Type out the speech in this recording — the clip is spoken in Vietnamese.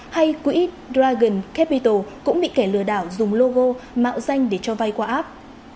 hay quỹ dragon capital cũng bị kẻ lừa đảo dùng logo mạo danh để cho vay qua app